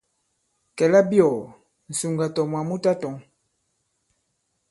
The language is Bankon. Kɛ̌ labiɔ̀ɔ̀, ŋ̀sùŋgà tɔ̀ mwǎ mu tatɔ̄ŋ.